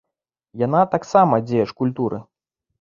Яна таксама дзеяч культуры.